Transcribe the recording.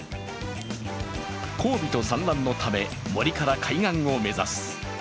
交尾と産卵のため、森から海岸を目指す。